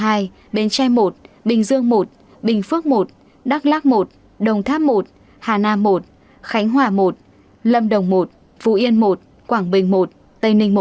hà nội hai kiên giang hai phú thọ hai bến tre một bình dương một bình phước một đắk lắc một đồng tháp một hà nam một khánh hòa một lâm đồng một phú yên một quảng bình một tây ninh một